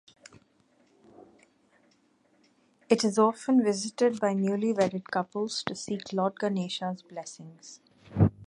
It is often visited by newly wedded couples to seek Lord Ganesha's blessings.